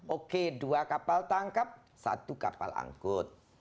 oke dua kapal tangkap satu kapal angkut